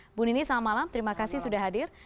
ibu nini selamat malam terima kasih sudah hadir